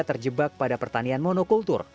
terjebak pada pertanian monokultur